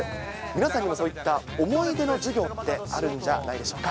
皆さんにもそういった思い出の授業ってあるんじゃないでしょうか。